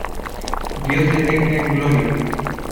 dios le tenga en Gloria.